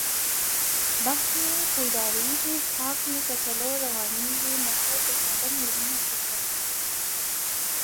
بخت مې پیدارېږي کاک مې په څلور روانېږي متل د ساده میرمنې کیسه ده